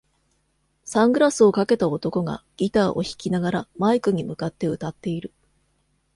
サングラスをかけた男が、ギターを弾きながらマイクに向かって歌っている。